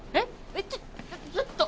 えっちょっちょっと。